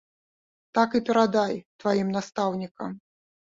Так і перадай тваім настаўнікам.